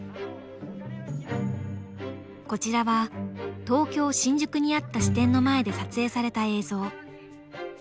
こちらは東京・新宿にあった支店の前で撮影された映像。